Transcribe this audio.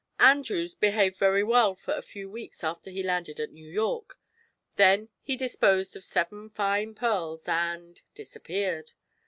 Andrews behaved very well for a few weeks after he landed at New York; then he disposed of seven fine pearls and disappeared.